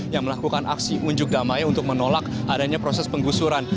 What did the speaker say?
yang melakukan aksi unjuk damai untuk menolak adanya proses penggusuran